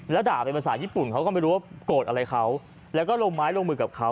แล้วด่าเป็นภาษาญี่ปุ่นเขาก็ไม่รู้ว่าโกรธอะไรเขาแล้วก็ลงไม้ลงมือกับเขา